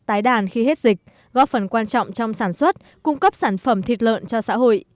tái đàn khi hết dịch góp phần quan trọng trong sản xuất cung cấp sản phẩm thịt lợn cho xã hội